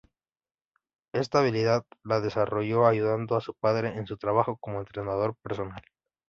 Esta habilidad la desarrolló ayudando a su padre en su trabajo como entrenador personal.